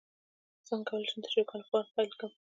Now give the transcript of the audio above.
څنګه کولی شم د چرګانو فارم پیل کړم